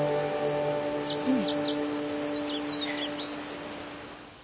うん。